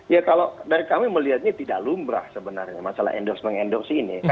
ya kalau dari kami melihatnya tidak lumrah sebenarnya masalah endorse mengendorse ini